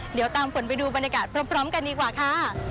เดี๋ยวตามฝนไปดูบรรยากาศพร้อมกันดีกว่าค่ะ